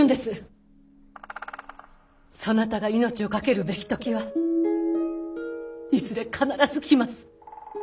そなたが命を懸けるべき時はいずれ必ず来ます。